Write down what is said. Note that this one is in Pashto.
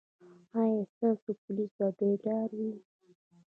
ایا ستاسو پولیس به بیدار وي؟